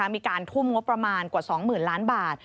มีการทุ่มงบประมาณกว่า๒๐๐๐ล้านบาท